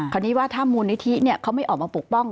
คราวนี้ว่าถ้ามูลนิธิเขาไม่ออกมาปกป้อง